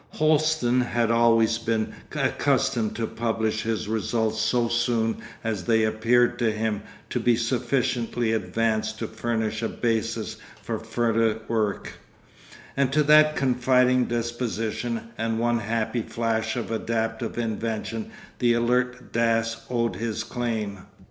Holsten had always been accustomed to publish his results so soon as they appeared to him to be sufficiently advanced to furnish a basis for further work, and to that confiding disposition and one happy flash of adaptive invention the alert Dass owed his claim....